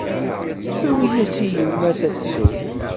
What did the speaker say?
Awi-yas i yemma-s ad tsew.